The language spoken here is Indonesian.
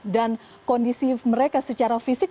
dan kondisi mereka secara fisik